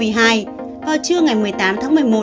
vào trưa ngày một mươi tám tháng một mươi một